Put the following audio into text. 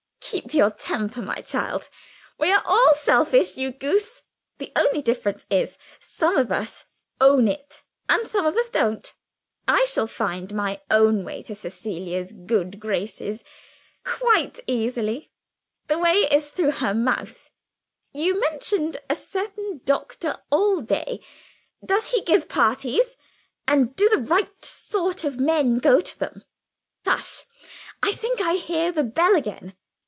"Keep your temper, my child. We are all selfish, you little goose. The only difference is some of us own it, and some of us don't. I shall find my own way to Cecilia's good graces quite easily: the way is through her mouth. You mentioned a certain Doctor Allday. Does he give parties? And do the right sort of men go to them? Hush! I think I hear the bell again.